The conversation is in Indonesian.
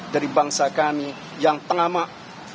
dari bangsa kami yang tengamak